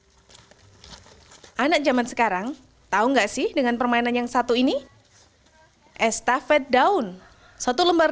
hai anak zaman sekarang tahu enggak sih dengan permainan yang satu ini estafet daun satu lembar